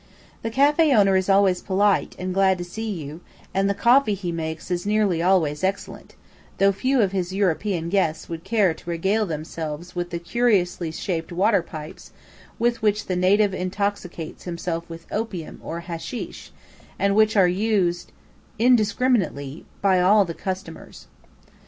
The café owner is always polite, and glad to see you, and the coffee he makes is nearly always excellent, though few of his European guests would care to regale themselves with the curiously shaped water pipes with which the native intoxicates himself with opium or "hashīsh," and which are used indiscriminately by all the customers.